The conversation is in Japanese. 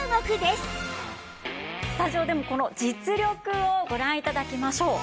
スタジオでもこの実力をご覧頂きましょう。